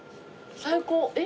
最高。